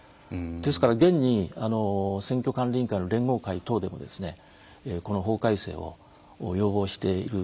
ですから現に選挙管理委員会の連合会等でもこの法改正を要望しているところです。